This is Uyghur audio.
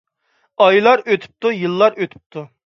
ئايلار ئۆتۈپتۇ، يىللار ئۆتۈپتۇ.